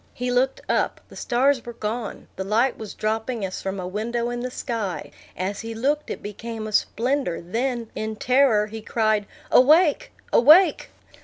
He looked up; the stars were gone; the light was dropping as from a window in the sky; as he looked, it became a splendor; then, in terror, he cried, "Awake, awake!"